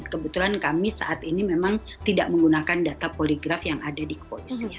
kebetulan kami saat ini memang tidak menggunakan data poligraf yang ada di koisnya